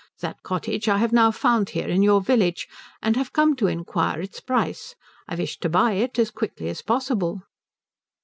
That cottage I have now found here in your village, and I have come to inquire its price. I wish to buy it as quickly as possible."